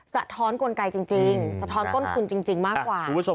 สะท้อนก้นคุณจริงมากกว่า